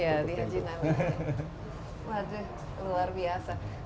waduh luar biasa